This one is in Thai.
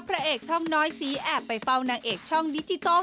พระเอกช่องน้อยสีแอบไปเฝ้านางเอกช่องดิจิทัล